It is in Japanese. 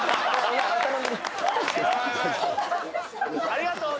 ありがとう